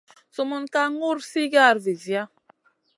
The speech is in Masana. Sumun ka ŋur sigara visia.